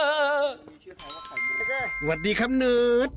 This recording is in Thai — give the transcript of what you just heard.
สวัสดีครับหนู